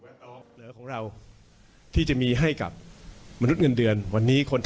๔ล้านกว่าชีวิต